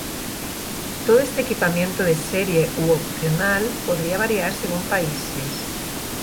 Todo este equipamiento de serie u opcional podría variar según países.